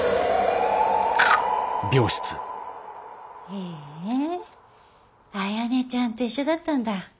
へえあやねちゃんと一緒だったんだ。